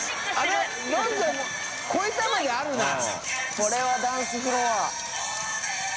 これはダンスフロア。）